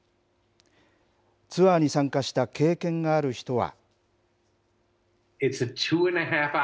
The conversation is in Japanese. ツアーに参加した経験のある人は。